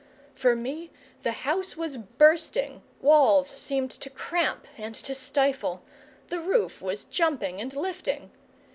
For me the house was bursting, walls seemed to cramp and to stifle, the roof was jumping and lifting.